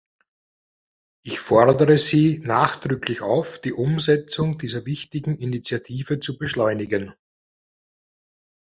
Ich fordere sie nachdrücklich auf, die Umsetzung dieser wichtigen Initiative zu beschleunigen.